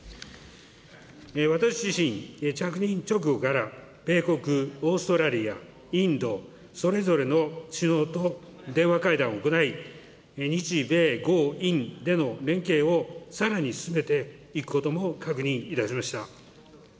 私自身、着任直後から米国、オーストラリア、インド、それぞれの首脳と電話会談を行い、日米豪印での連携をさらに進めていくことも確認いたしました。